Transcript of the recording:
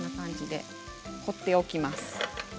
放っておきます。